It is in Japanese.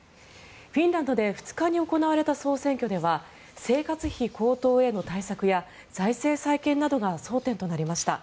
フィンランドで２日に行われた総選挙では生活費高騰への対策や財政再建などが争点となりました。